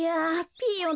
ピーヨン！